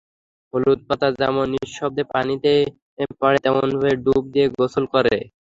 হলুদ পাতা যেমন নিঃশব্দে পানিতে পড়ে, তেমনভাবে ডুব দিয়ে গোসল করে।